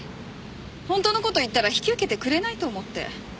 本当の事言ったら引き受けてくれないと思って。